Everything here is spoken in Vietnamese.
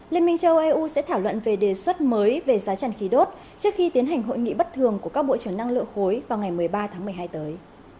liên minh châu âu eu sẽ thảo luận về đề xuất mới về giá trần khí đốt trước khi tiến hành hội nghị bất thường của các bộ trưởng năng lượng khối vào ngày một mươi ba tháng một mươi hai tới